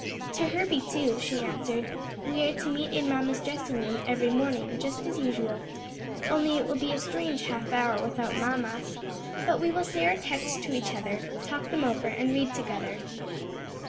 "To Herbie too," she answered; "we are to meet in mamma's dressing room every morning just as usual, only it will be a strange half hour without mamma; but we will say our texts to each other, talk them over and read together."